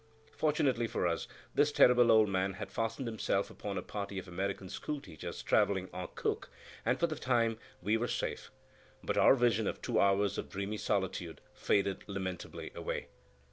Fortunately for us, this terrible old man had fastened himself upon a party of American school teachers travelling en Cook, and for the time we were safe; but our vision of two hours of dreamy solitude faded lamentably away.